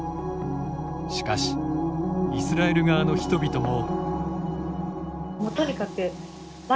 しかし、イスラエル側の人々も。